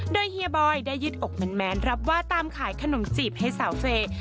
โดยเฮียบอยได้ยืดอกแมนรับว่าตามขายขนมจีบให้สาวเฟย์